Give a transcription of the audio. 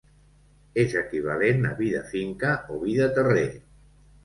És equivalent a vi de finca o vi de terrer.